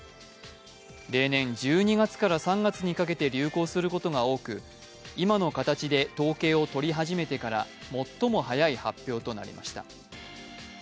例年１２月から３月にかけて流行することが多く今の形で統計を取り始めてから最も早い発表となりました。